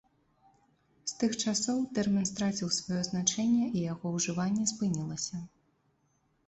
З тых часоў тэрмін страціў сваё значэнне і яго ўжыванне спынілася.